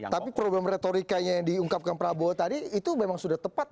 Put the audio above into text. tapi problem retorikanya yang diungkapkan prabowo tadi itu memang sudah tepat